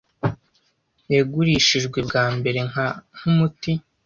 yagurishijwe bwa mbere nka nkumuti